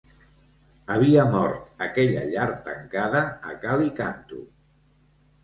Havia mort aquella llar tancada a cal i canto.